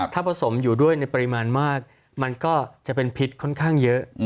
ถ้าผสมอยู่ด้วยในปริมาณมากมันก็จะเป็นพิษค่อนข้างเยอะ